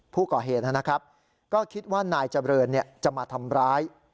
ผู้ก่อเหตุนะครับก็คิดว่านายเจริญจะมาทำร้าย